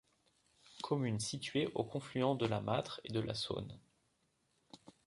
Commune située au confluent de la Mâtre et de la Saône.